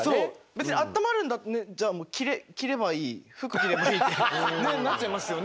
別にあったまるじゃあもう服着ればいいってなっちゃいますよね。